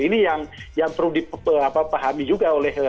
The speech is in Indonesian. ini yang perlu dipahami juga oleh